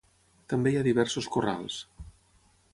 També hi ha diversos corrals.